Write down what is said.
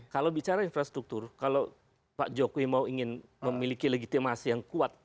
kalau bicara infrastruktur kalau pak jokowi mau ingin memiliki legitimasi yang kuat